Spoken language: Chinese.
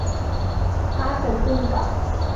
阿什顿巷。